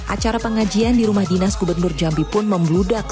acara pengajian di rumah dinas gubernur jambi pun membludak